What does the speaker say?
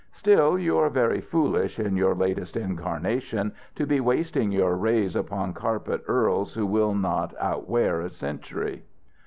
"Still you are very foolish, in your latest incarnation, to be wasting your rays upon carpet earls who will not outwear a century.